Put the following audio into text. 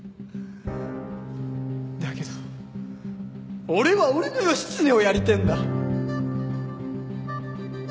だけど俺は俺の義経をやりてえんだ。